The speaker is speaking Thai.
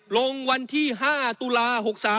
ลงวันที่๕ตุลา๖๓